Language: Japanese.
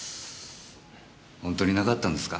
ホントになかったんですか？